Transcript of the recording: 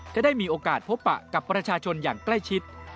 ได้มีโอกาสพบปะกับประชาชนอย่างใกล้ชิด